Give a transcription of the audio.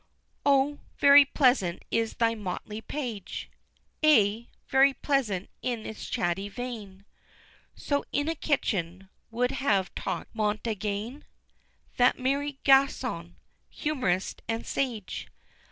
IV. Oh, very pleasant is thy motley page Aye, very pleasant in its chatty vein So in a kitchen would have talk'd Montaigne, That merry Gascon humorist, and sage!